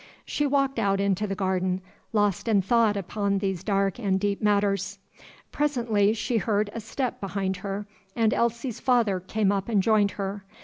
She walked out into the garden, lost in thought upon these dark and deep matters. Presently she heard a step behind her, and Elsie's father came up and joined her.